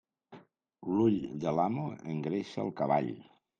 L'ull de l'amo engreixa el cavall.